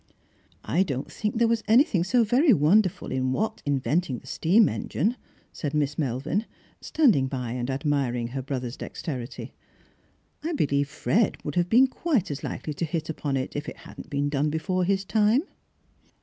" I don't think there was anything so very wonderful i^i Watt inventing the steam engine," said Miss Melvin, standing by and admiring her brother's dexterity ;" I believe Fred would have been quite as likely to hit upon it, if it hadn't been done before his time."